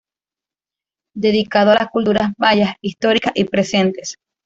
Dedicado a las culturas mayas históricas y presentes.